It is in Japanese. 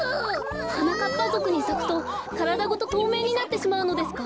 はなかっぱぞくにさくとからだごととうめいになってしまうのですか？